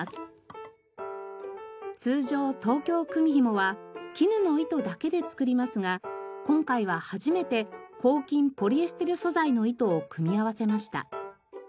通常東京くみひもは絹の糸だけで作りますが今回は初めて抗菌ポリエステル素材の糸を組み合わせました。